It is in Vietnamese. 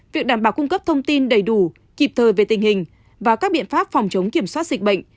việc đảm bảo cung cấp thông tin đầy đủ kịp thời về tình hình và các biện pháp phòng chống kiểm soát dịch bệnh